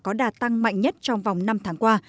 có đà tăng mạnh nhất trong vòng năm tháng qua